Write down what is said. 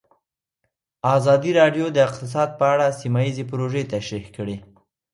ازادي راډیو د اقتصاد په اړه سیمه ییزې پروژې تشریح کړې.